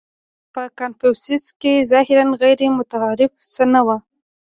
• په کنفوسیوس کې ظاهراً غیرمتعارف څه نهو.